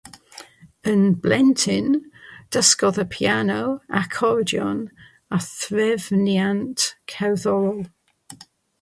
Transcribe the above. Yn blentyn, dysgodd y piano, acordion, a threfniant cerddorol .